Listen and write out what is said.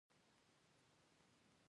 آیا کاناډایی شرکتونه هلته کار نه کوي؟